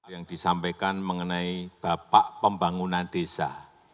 yang disampaikan mengenai bapak pembangunan desa